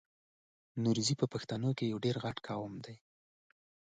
نورزی په پښتنو کې یو ډېر لوی ټبر دی.